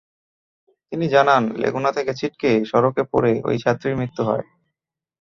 তিনি জানান, লেগুনা থেকে ছিটকে সড়কে পড়ে ওই ছাত্রীর মৃত্যু হয়।